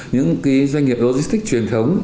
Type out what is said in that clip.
những doanh nghiệp logistics truyền thống